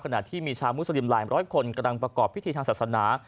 ขณะที่มีชาวมุสลิมหลายร้อยคนกำลังประกอบพิธีทางศาสนา